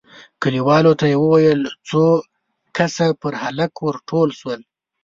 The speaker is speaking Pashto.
کليوالو ته يې وويل، څو کسه پر هلک ور ټول شول،